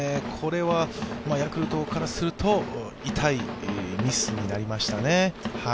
ヤクルトからすると痛いミスになりましたね。